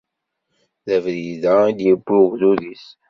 D abrid-a i d-iwwi ugdud-is.